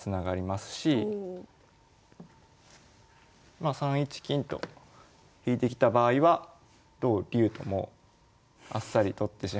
まあ３一金と引いてきた場合は同竜ともうあっさり取ってしまって。